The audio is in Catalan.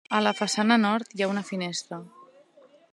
A la façana Nord hi ha una finestra.